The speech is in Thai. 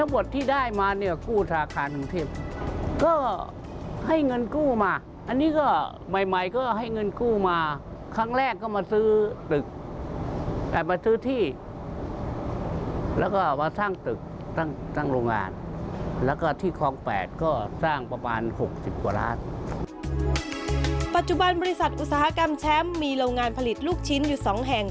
ปัจจุบันบริษัทอุตสาหกรรมแชมป์มีโรงงานผลิตลูกชิ้นอยู่๒แห่ง